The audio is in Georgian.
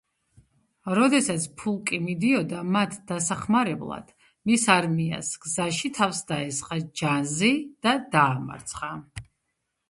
როდესაც ფულკი მიდიოდა მათ დასახმარებლად, მის არმიას გზაში თავს დაესხა ზანჯი და დაამარცხა.